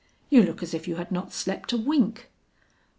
"You look as if you had not slept a wink."